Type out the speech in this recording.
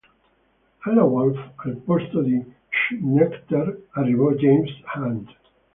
Alla Wolf, al posto di Scheckter, arrivò James Hunt.